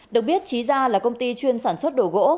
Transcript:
được biết trí gia là công ty chuyên sản xuất đồ gỗ